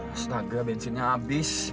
astaga bensinnya habis